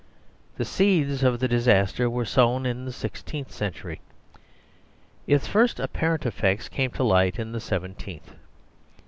The seeds of the disaster were sown in the sixteenth cen tury. Its first apparent effects came to light in the seventeenth.